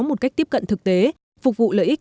một cách tiếp cận thực tế phục vụ lợi ích